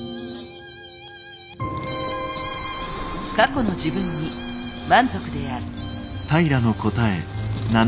過去の自分に満足である。